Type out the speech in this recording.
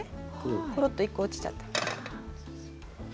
おっと、１個落ちちゃった。